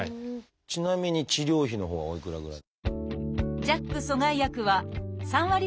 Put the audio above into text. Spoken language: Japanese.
ちなみに治療費のほうはおいくらぐらい？